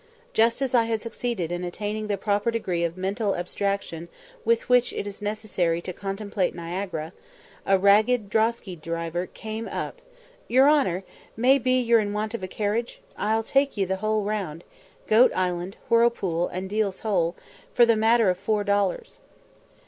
Just as I had succeeded in attaining the proper degree of mental abstraction with which it is necessary to contemplate Niagara, a ragged drosky driver came up, "Yer honour, may be ye're in want of a carriage? I'll take ye the whole round Goat Island, Whirlpool, and Deil's Hole for the matter of four dollars."